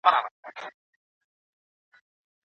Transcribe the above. تعلیم د پرمختګ یوازینۍ لاره بلل کېږي.